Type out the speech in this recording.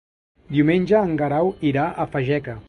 Diumenge en Guerau irà a Fageca.